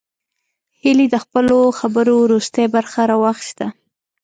هيلې د خپلو خبرو وروستۍ برخه راواخيسته